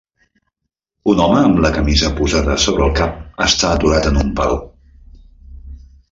Un home amb la camisa posada sobre el cap està aturat en un pal.